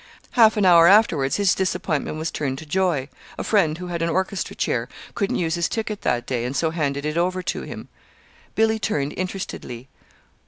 Half an hour afterwards his disappointment was turned to joy a friend who had an orchestra chair couldn't use his ticket that day, and so handed it over to him." Billy turned interestedly.